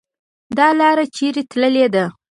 .دا لار چیري تللې ده؟